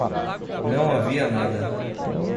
Não havia nada.